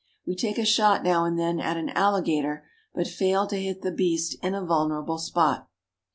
We take a shot now and then at an alligator, but fail to hit the beast in a vulnerable spot.